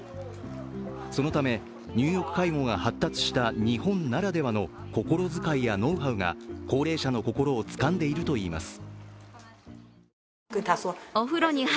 そのため、入浴介護が発達した日本ならではの心遣いやノウハウが高齢者の心をつかんでいるといいます。